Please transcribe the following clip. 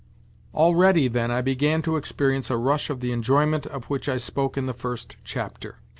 Already then I began to experience a rush of the enjoyment of which I spoke in the first chapter.